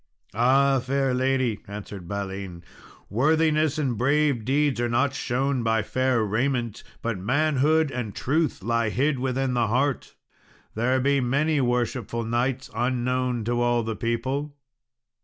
"Ah, fair lady," answered Balin, "worthiness and brave deeds are not shown by fair raiment, but manhood and truth lie hid within the heart. There be many worshipful knights unknown to all the people."